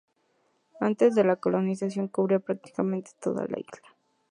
Antes de la colonización cubría prácticamente toda la isla.